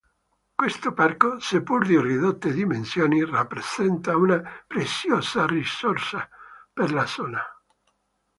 Questo parco, seppur di ridotte dimensioni, rappresenta una preziosa risorsa per la zona.